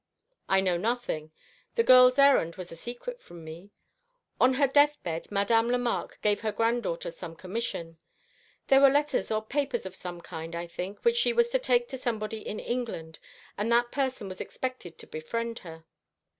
"I know nothing. The girl's errand was a secret from me. On her death bed Madame Lemarque gave her granddaughter some commission. There were letters or papers of some kind, I think, which she was to take to somebody in England, and that person was expected to befriend her.